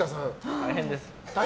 大変です。